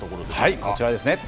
こちらですね。